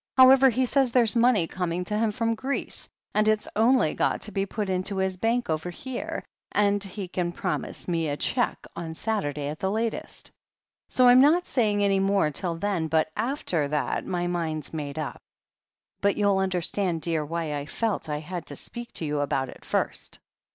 However, he says there's money coming to him from Greece, and it's only got to be put into his Bank over here, and he can promise me a cheque on Saturday at latest. So I'm not saying any more till then, but after that my mind's made up. But you'll understand, dear, why I felt I had to speak to you about it first."